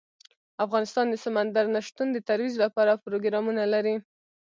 افغانستان د سمندر نه شتون د ترویج لپاره پروګرامونه لري.